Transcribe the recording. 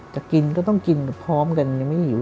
จะกินก็ต้องกินพร้อมกันยังไม่หิว